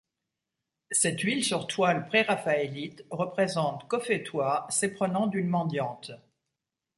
Cette huile sur toile préraphaélite représente Cophetua s'éprenant d'une mendiante.